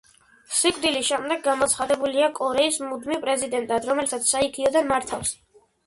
სიკვდილის შემდეგ გამოცხადებულია კორეის მუდმივ პრეზიდენტად, რომელსაც საიქიოდან მართავს.